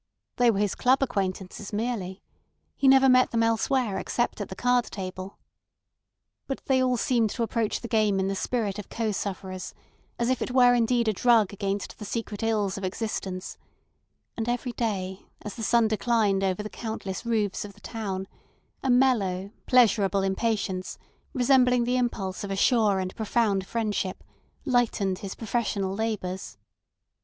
They were his club acquaintances merely. He never met them elsewhere except at the card table. But they all seemed to approach the game in the spirit of co sufferers, as if it were indeed a drug against the secret ills of existence; and every day as the sun declined over the countless roofs of the town, a mellow, pleasurable impatience, resembling the impulse of a sure and profound friendship, lightened his professional labours.